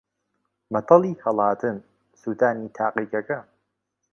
مەتەڵی ھەڵاتن: سووتانی تاقیگەکە